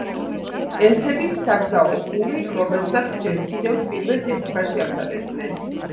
ელფების საგზაო პური, რომელსაც ჯერ კიდევ პირველ ეპოქაში ამზადებდნენ.